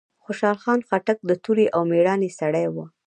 خوشحال خان خټک د توری او ميړانې سړی وه.